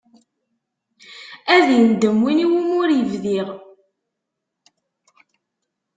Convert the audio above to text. Ad indem win iwumi ur idbiɣ.